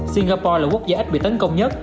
singapore là quốc gia ít bị tấn công nhất